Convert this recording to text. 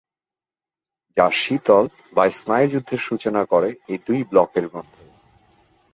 যা শীতল বা স্নায়ুযুদ্ধের সূচনা করে এই দুই ব্লকের মধ্যে।